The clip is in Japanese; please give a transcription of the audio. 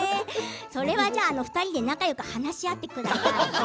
それは２人で仲よく話し合ってください。